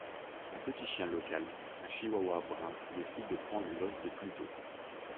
Un petit chien local, un chihuahua brun, décide de prendre l'os de Pluto.